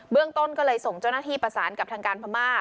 เรื่องต้นก็เลยส่งเจ้าหน้าที่ประสานกับทางการพม่า